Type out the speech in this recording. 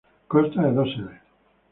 Consta de dos sedes.